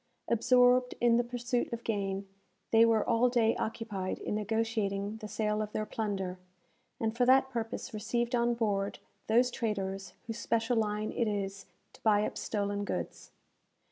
Absorbed in the pursuit of gain, they were all day occupied in negotiating the sale of their plunder, and for that purpose received on board those traders whose special line it is to buy up stolen goods.